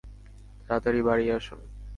তাড়াতাড়ি বাড়ি আসুন।